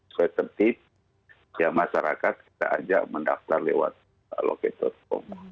saya tertip ya masyarakat kita ajak mendaftar lewat lokator com